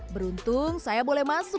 harusnya makin banyak pake komen uk